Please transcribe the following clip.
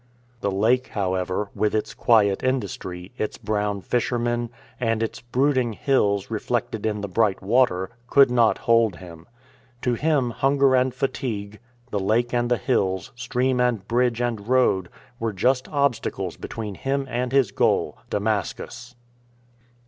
The lake, however, with its quiet industry, its brown fishermen, and its brooding hills reflected in the bright water, could not hold him. To him hunger and fatigue, the lake and the hills, stream and bridge and road, were just obstacles between himself and his goal — Damascus.